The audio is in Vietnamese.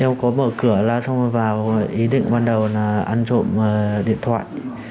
em có mở cửa ra xong rồi vào ý định ban đầu là ăn trộm điện thoại